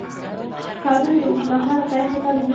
ښارونه د اوږدمهاله پایښت لپاره مهم رول لري.